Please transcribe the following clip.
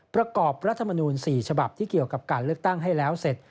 ประกอบรัฐมนูล๔ฉบับที่เกี่ยวกับการเลือกตั้งให้แล้วเสร็จ